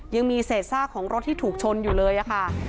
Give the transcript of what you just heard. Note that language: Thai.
ยังมีเศษซากของรถที่ถูกชนอยู่เลยค่ะ